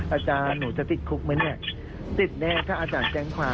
อาจารย์หนูจะติดคุกไหมเนี่ยติดแน่ถ้าอาจารย์แจ้งความ